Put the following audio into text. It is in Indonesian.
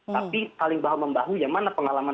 tapi paling membahu yang mana pengalaman